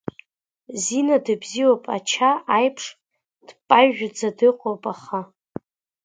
Зина дыбзиоуп, ача аиԥш дпажәӡа дыҟоуп, аха…